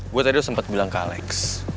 gue tadi udah sempet bilang ke alex